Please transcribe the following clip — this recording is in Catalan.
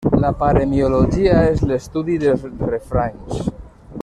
La paremiologia és l'estudi dels refranys.